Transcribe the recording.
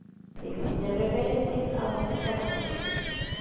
Existen referencias a música nativa.